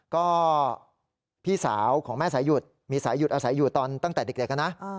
ก็พี่สาวของแม่สายหยุดมีสายหยุดอาศัยอยู่ตอนตั้งแต่เด็กนะ